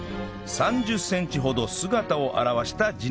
３０センチほど姿を現した自然薯